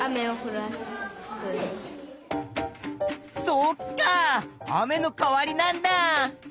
そっか雨の代わりなんだ！